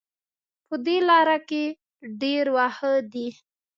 په دې لاره کې ډېر واښه دي